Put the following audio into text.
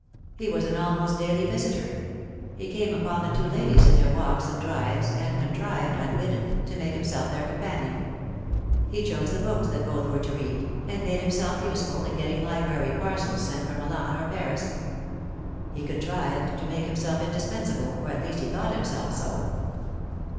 He was an almost daily visitor ; he came upon the two ladies in their walks and drives, and contrived, unbidden, to make himself their companion ; he chose the books that both were to read, and made himself useful in getting library parcels sent from Milan or Paris. He contrived to make himself indispensable, or at least thought himself so.